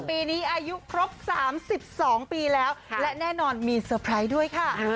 ปีนี้อายุครบสามสิบสองปีแล้วและแน่นอนมีด้วยค่ะ